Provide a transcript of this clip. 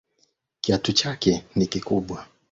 Kiatu chake ni kikubwa